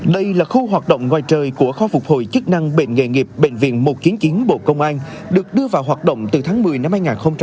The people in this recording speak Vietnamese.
đây là khu hoạt động ngoài trời của kho phục hồi chức năng bệnh nghệ nghiệp bệnh viện một trăm chín mươi chín bộ công an được đưa vào hoạt động từ tháng một mươi năm hai nghìn hai mươi ba